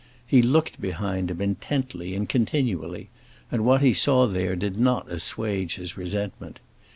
He looked behind him intently and continually, and what he saw there did not assuage his resentment.